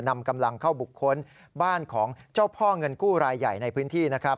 นำกำลังเข้าบุคคลบ้านของเจ้าพ่อเงินกู้รายใหญ่ในพื้นที่นะครับ